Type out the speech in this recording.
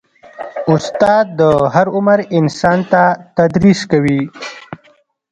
استاد د هر عمر انسان ته تدریس کوي.